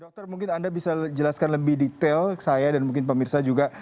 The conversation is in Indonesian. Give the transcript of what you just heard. dokter mungkin anda bisa jelaskan lebih detail saya dan mungkin pemirsa juga